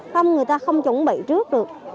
không người ta không chuẩn bị trước được